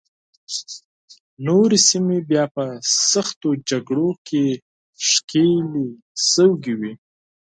نورې سیمې بیا په سختو جګړو کې ښکېلې شوې وې.